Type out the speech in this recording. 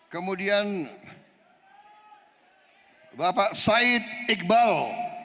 kemudian bapak said iqbal